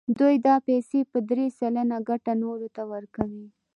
دوی دا پیسې په درې سلنه ګټه نورو ته ورکوي